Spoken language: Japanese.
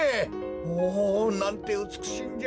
おおなんてうつくしいんじゃ。